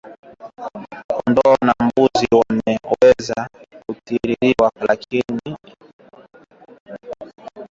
Kondoo na mbuzi wanaweza kuathiriwa lakini hili ni nadra unapolinganisha na ngombe